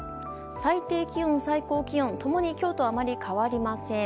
最低気温、最高気温共に今日とあまり変わりません。